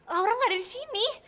laura nggak ada di sini